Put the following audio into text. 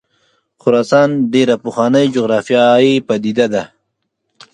خراسان ډېره پخوانۍ جغرافیایي پدیده ده.